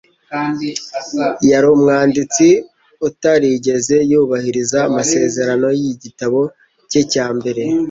Yari umwanditsi utarigeze yubahiriza amasezerano yigitabo cye cya mbere